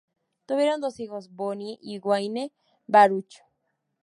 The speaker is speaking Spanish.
Tuvieron dos hijos: Bonnie y Wayne Baruch.